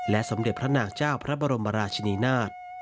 สมเด็จพระนางเจ้าพระบรมราชินีนาฏ